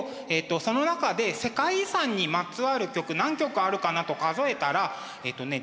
その中で世界遺産にまつわる曲何曲あるかなと数えたらえっとね１０曲あったんです。